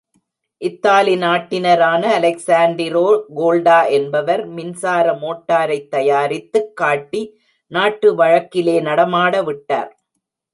Italy நாட்டினரான Alessandro கோல்டா என்பவர், மின்சார மோட்டரைத் தயாரித்துக் காட்டி நாட்டு வழக்கிலே நடமாடவிட்டார்!